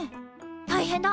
大変だ！